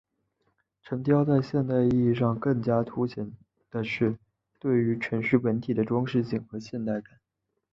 城雕在现代意义上更加凸显的是对于城市本体的装饰性和现代感。